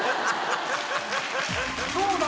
どうだ